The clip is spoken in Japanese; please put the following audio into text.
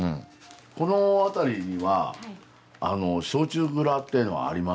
この辺りには焼酎蔵っていうのはありますか？